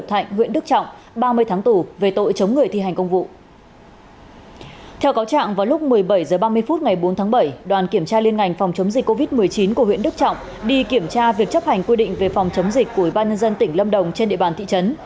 khi đến kiểm tra việc chấp hành quy định về phòng chống dịch của bà nhân dân tỉnh lâm đồng trên địa bàn thị trấn